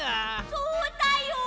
そうだよ！